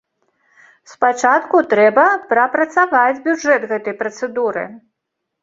Спачатку трэба прапрацаваць бюджэт гэтай працэдуры.